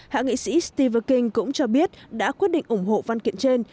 hạ nghị sĩ steve king cũng cho biết đã quyết định ủng hộ văn kiện trên